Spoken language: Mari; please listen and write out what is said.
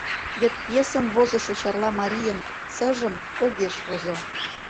Вет пьесым возышо чарла марийын «ц»-жым огеш возо!